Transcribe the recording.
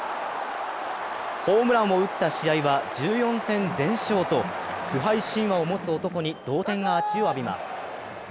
ホームランを打った試合は１４戦全勝と不敗神話を持つ男に同点アーチを浴びます。